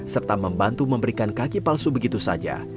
serta membantu memberikan kaki palsu begitu saja